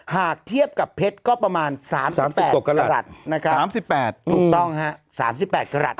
หากเทียบกับเพชรก็ประมาณ๓๘กรัฐนะครับ๓๘ถูกต้องฮะ๓๘กรัฐ